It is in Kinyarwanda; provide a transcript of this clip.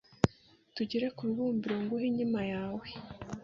tugere ku bibumbiro nguhe inkima yawe,